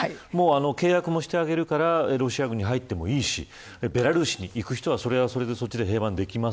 契約もしてあげるからロシア軍に入ってもいいしベラルーシに行く人はそれはそれで平和にできます。